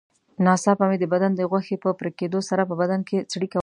ناڅاپه مې د بدن د غوښې په پرېکېدلو سره په بدن کې څړیکه وشول.